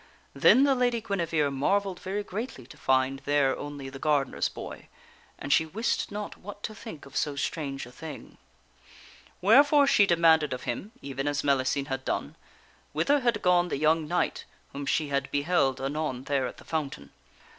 Then the Lady Guinevere marvelled very greatly to find there only the gardener's boy, and she wist not what to think of so strange a thing. Wherefore she demanded of him, even as Mellicene had done, whither had gone the young knight whom she had beheld anon there at the fountain.